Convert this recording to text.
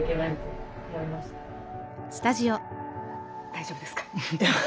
大丈夫ですか？